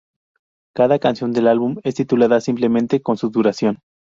Cada canción de álbum es titulada simplemente con su duración.